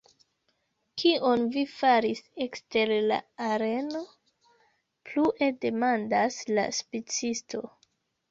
Kion vi faris ekster la areno? plue demandas la spicisto.